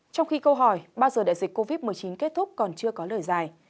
trong khi câu hỏi bao giờ đại dịch covid một mươi chín kết thúc còn chưa có lời giải